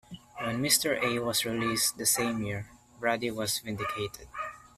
When "Mr A" was released the same year, Brady was vindicated.